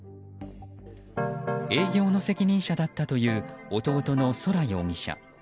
営業の責任者だったという弟の宇宙容疑者。